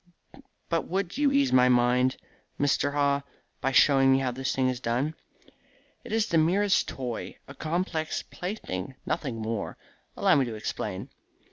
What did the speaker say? But would you ease my mind, Mr. Haw, by showing me how this thing is done?" "It is the merest toy a complex plaything, nothing more. Allow me to explain.